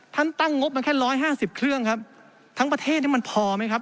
ท่านตั้งงบมาแค่ร้อยห้าสิบเครื่องครับทั้งประเทศนี่มันพอไหมครับ